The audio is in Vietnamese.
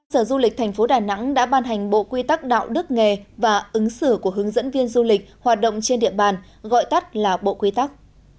sở du lịch tp đà nẵng đã ban hành bộ quy tắc đạo đức nghề và ứng xử của hướng dẫn viên du lịch hoạt động trên địa bàn gọi tắt là bộ quy tắc